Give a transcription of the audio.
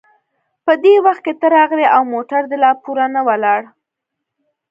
په دې وخت کې ته راغلې او موټر دې لا پوره نه و ولاړ.